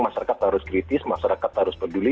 masyarakat harus kritis masyarakat harus peduli